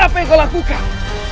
apa yang kau lakukan